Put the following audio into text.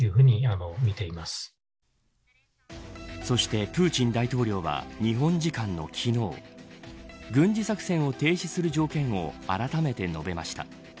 そしてプーチン大統領は日本時間の昨日軍事作戦を停止する条件をあらためて述べました。